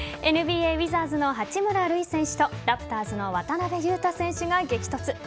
ＮＢＡウィザーズの八村塁選手とラプターズの渡邊雄太選手が激突。